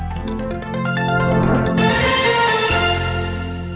โปรดติดตามตอนต่อไป